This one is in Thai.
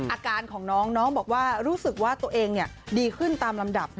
อาการของน้องน้องบอกว่ารู้สึกว่าตัวเองดีขึ้นตามลำดับ